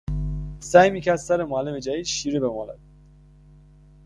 سعی میکرد سر معلم جدید شیره بمالد.